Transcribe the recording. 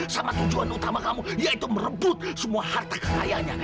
sama tujuan utama kamu yaitu merebut semua harta kekayaannya